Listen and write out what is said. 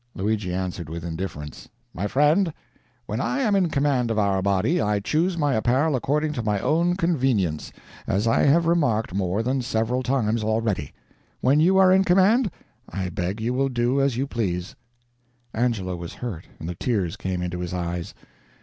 Luigi answered with indifference: "My friend, when I am in command of our body, I choose my apparel according to my own convenience, as I have remarked more than several times already. When you are in command, I beg you will do as you please." Angelo was hurt, and the tears came into his eyes.